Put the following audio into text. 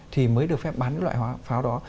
thì mới được phép bán loại pháo đó